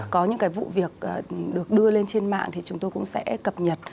có những cái vụ việc được đưa lên trên mạng thì chúng tôi cũng sẽ cập nhật